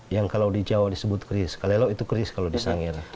yang kalau di jawa disebut kris kalelo itu keris kalau di sangir